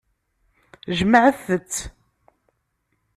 Jemɛet-t.